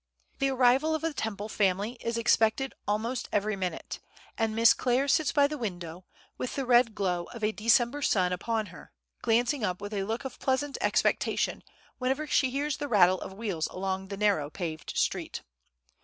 The arrival of the Temple family is expected almost every minute, and Miss Clare sits by the window, with the red glow of a December sun upon her, glancing up with a look of pleasant expectation whenever she hears the rattle of wheels along the narrow paved street.